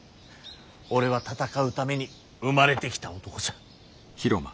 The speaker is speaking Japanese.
俺は戦うために生まれてきた男さ。